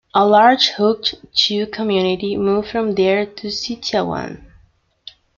A large Hock Chew community moved from there to Sitiawan.